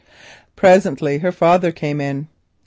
Presently her father came in.